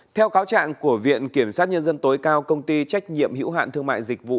theo cáo trạng của viện kiểm sát nhân dân tối cao công ty trách nhiệm hữu hạn thương mại dịch vụ